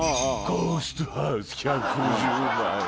「ゴーストハウス１５０万円」。